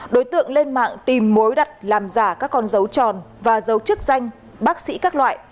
đối tượng lên mạng tìm mối đặt làm giả các con dấu tròn và dấu chức danh bác sĩ các loại